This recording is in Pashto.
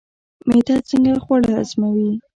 معده څنګه خواړه هضموي؟